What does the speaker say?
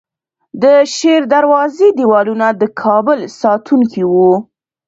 د شیردروازې دیوالونه د کابل ساتونکي وو